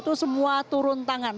itu semua turun tangan